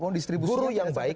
guru yang baik